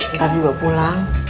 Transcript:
ntar juga pulang